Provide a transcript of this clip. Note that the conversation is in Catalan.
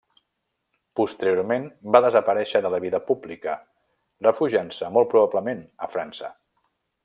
Posteriorment va desaparèixer de la vida pública, refugiant-se molt probablement a França.